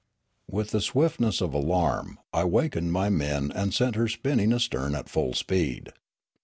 With the swiftness of alarm I wakened my men and sent her spinning astern at full speed.